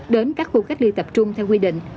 đến các khu cách ly tập trung theo quy định